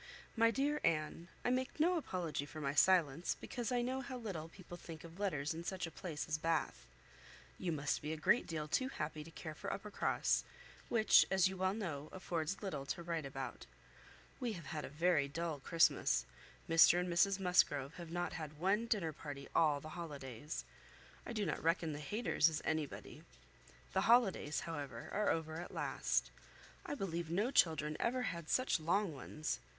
"MY DEAR ANNE, I make no apology for my silence, because I know how little people think of letters in such a place as Bath. You must be a great deal too happy to care for Uppercross, which, as you well know, affords little to write about. We have had a very dull Christmas; Mr and Mrs Musgrove have not had one dinner party all the holidays. I do not reckon the Hayters as anybody. The holidays, however, are over at last: I believe no children ever had such long ones.